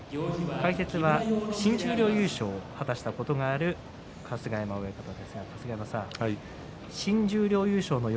解説は新十両優勝を果たしたことがある春日山親方ですが新十両優勝の